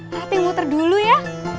perhatikan muter dulu ya